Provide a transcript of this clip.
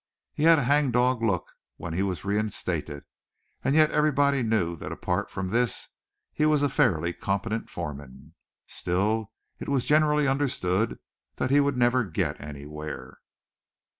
He had a hang dog look when he was re instated, and yet everybody knew that apart from this he was a fairly competent foreman. Still it was generally understood that he would never get anywhere.